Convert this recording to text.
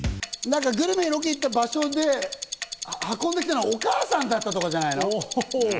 グルメのロケで行った場所で運んできたのがお母さんだったとかじゃないの？